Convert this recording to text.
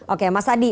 oke mas adi